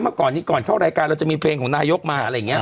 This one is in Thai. เมื่อก่อนนี้ก่อนเข้ารายการเราจะมีเพลงของนายกมาอะไรอย่างนี้